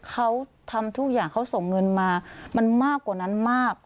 เขาทำทุกอย่างเขาส่งเงินมามันมากกว่านั้นมาก